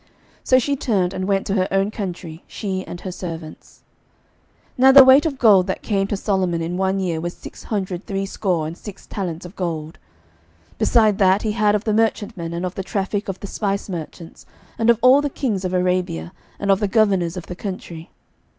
So she turned and went to her own country, she and her servants. 11:010:014 Now the weight of gold that came to Solomon in one year was six hundred threescore and six talents of gold, 11:010:015 Beside that he had of the merchantmen, and of the traffick of the spice merchants, and of all the kings of Arabia, and of the governors of the country.